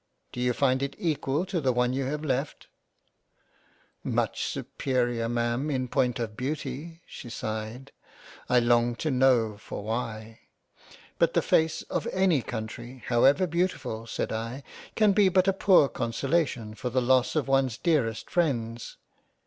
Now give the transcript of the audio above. Do you find it equal to the one you have left ?"" Much superior Ma'am in point of Beauty." She sighed. I longed to know for why. " But the face of any Country however beautiful said I, can be but a poor consolation for the loss of one's dearest Freinds."